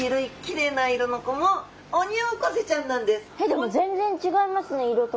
でも全然違いますね色とか。